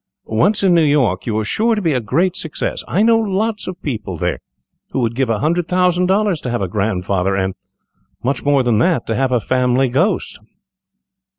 Once in New York, you are sure to be a great success. I know lots of people there who would give a hundred thousand dollars to have a grandfather, and much more than that to have a family ghost."